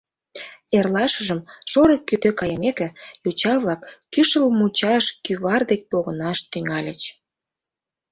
Эрлашыжым, шорык кӱтӱ кайымеке, йоча-влак кӱшыл мучаш кӱвар дек погынаш тӱҥальыч.